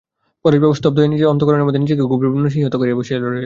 পরেশবাবুও স্তব্ধ হইয়া নিজের অন্তঃকরণের মধ্যে নিজেকে গভীরভাবে নিহিত করিয়া বসিয়া রহিলেন।